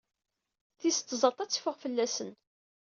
Tis tẓat ad teffeɣ fell-asen.